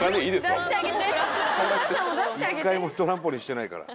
１回もトランポリンしてないから。